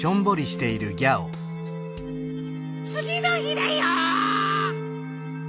つぎのひだよ。